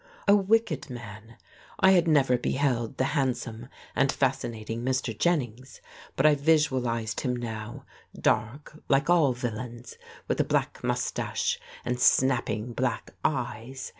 A wicked man! I had never beheld the handsome and fascinating Mr. Jennings, but I visualised him now; dark, like all villains, with a black moustache and snapping black eyes.